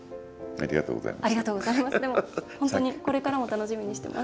ありがとうございます。